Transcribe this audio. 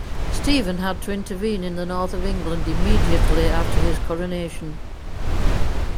Stephen had to intervene in the north of England immediately after his coronation.